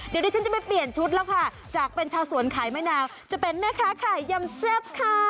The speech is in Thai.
เดี๋ยวดิฉันจะไปเปลี่ยนชุดแล้วค่ะจากเป็นชาวสวนขายมะนาวจะเป็นแม่ค้าขายยำแซ่บค่ะ